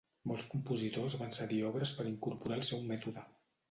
Molts compositors van cedir obres per incorporar al seu mètode.